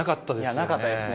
なかったですね。